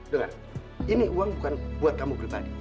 dengan ini uang bukan buat kamu pribadi